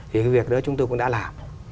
thì cái việc đó chúng tôi cũng đã làm